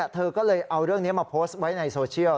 เธอก็เลยเอาเรื่องนี้มาโพสต์ไว้ในโซเชียล